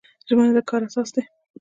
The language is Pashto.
ژمنه د کار اساس دی